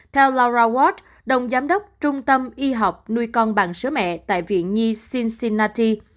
theo laura ward đồng giám đốc trung tâm y học nuôi con bằng sữa mẹ tại viện nhi cincinnati